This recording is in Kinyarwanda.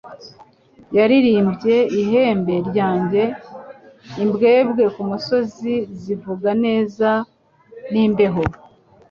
Yaririmbye ihembe ryanjye, imbwebwe ku misozi zivuga neza n'imbeho,